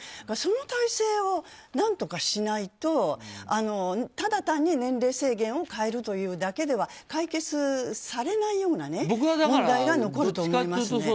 その体制を何とかしないとただ単に年齢制限を変えるというだけでは解決されないような問題が残ると思いますね。